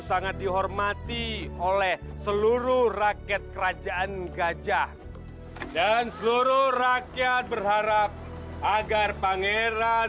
sangat dihormati oleh seluruh rakyat kerajaan gajah dan seluruh rakyat berharap agar pangeran